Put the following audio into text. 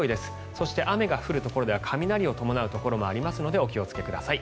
そして、雨の降るところでは雷を伴うところもありますのでお気をつけください。